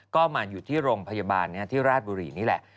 ก็มาอยู่ที่โรงพยาบาลที่ราชบุรีนี่แหละ